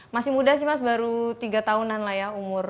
masih muda sih mas baru tiga tahunan lah ya umur